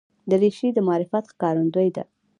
دریشي د معرفت ښکارندوی ده.